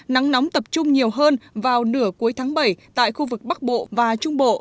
nắng nóng tập trung nhiều hơn vào nửa cuối tháng bảy tại khu vực bắc bộ và trung bộ